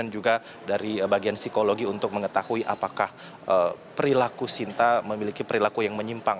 dan juga dari bagian psikologi untuk mengetahui apakah perilaku sinta memiliki perilaku yang menyimpang